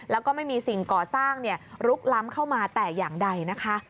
แล้วก็ไม่มีสิ่งก่อสร้างลุกล้ำเข้ามาแต่อย่างใดนะคะ